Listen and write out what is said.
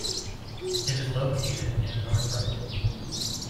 It is located in Northriding.